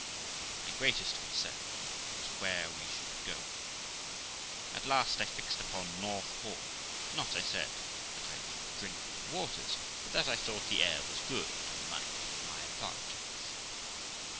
My greatest concern was where we should go. At last I fixed upon North Hall ; not, I said, that I would drink the waters, but that I thought the air was good, and might be for my advantage.